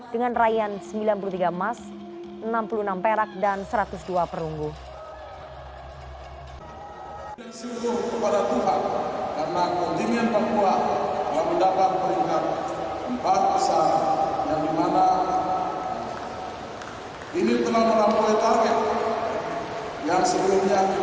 dengan raihan rp sembilan puluh tiga emas rp enam puluh enam perak dan rp satu ratus dua perunggu